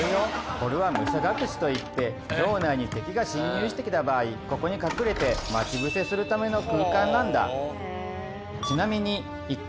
これは「武者隠し」といって城内に敵が侵入してきた場合ここに隠れて待ち伏せするための空間なんだ。